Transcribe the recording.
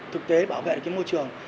thực tế bảo vệ môi trường